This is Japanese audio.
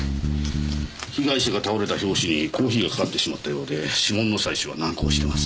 被害者が倒れた拍子にコーヒーがかかってしまったようで指紋の採取は難航しています。